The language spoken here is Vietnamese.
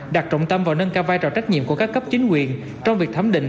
đặt trọng tâm vào nâng cao vai trò trách nhiệm của các cấp chính quyền trong việc thẩm định